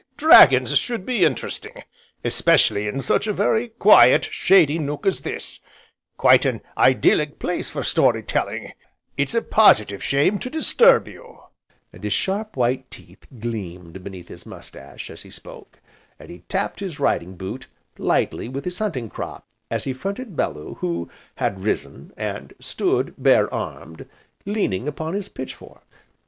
dragons should be interesting, especially in such a very quiet, shady nook as this, quite an idyllic place for story telling, it's a positive shame to disturb you," and his sharp, white teeth gleamed beneath his moustache, as he spoke, and he tapped his riding boot lightly with his hunting crop as he fronted Bellew, who had risen, and stood bare armed, leaning upon his pitch fork.